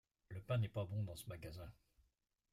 Le pain n’est pas bon dans ce magasin.